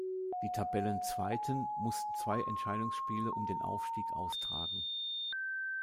Die Tabellenzweiten mussten zwei Entscheidungsspiele um den Aufstieg austragen.